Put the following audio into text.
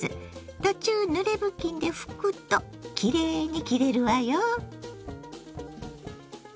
途中ぬれ布巾で拭くときれいに切れるわよ。